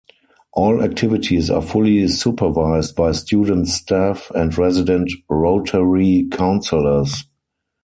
All activities are fully supervised by student staff and resident Rotary counsellors.